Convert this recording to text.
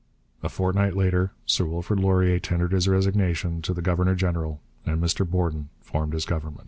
A fortnight later Sir Wilfrid Laurier tendered his resignation to the governor general and Mr Borden formed his Government.